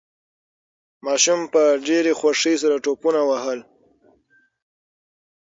ماشوم په ډېرې خوښۍ سره ټوپونه وهل.